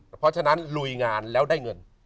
เพราะฉะนั้นลุยงานแล้วได้เงิน